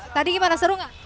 tadi gimana seru gak